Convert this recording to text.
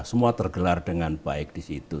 semua tergelar dengan baik di situ